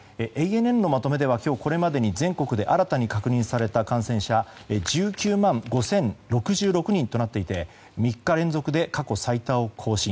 ＡＮＮのまとめでは今日これまでに全国で新たに確認された感染者１９万５０６６人となっていて３日連続で過去最多を更新。